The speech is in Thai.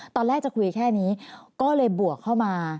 ตอนแรกจะคุยแค่นี้ก็เลยบวกเข้ามา